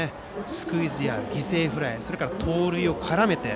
スクイズや犠牲フライ盗塁を絡めて。